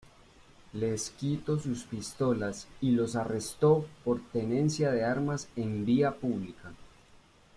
Les quito sus pistolas y los arrestó por tenencia de armas en vía pública.